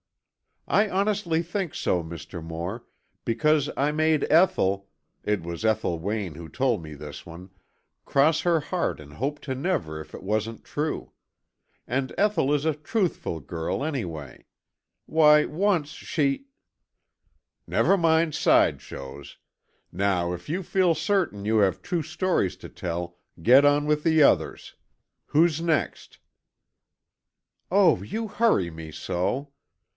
"I honestly think so, Mr. Moore, because I made Ethel—it was Ethel Wayne who told me this one—cross her heart and hope to never if it wasn't true. And Ethel is a truthful girl, anyway. Why, once she——" "Never mind side shows. Now, if you feel certain you have true stories to tell, get on with the others. Who next?" "Oh, you hurry me so!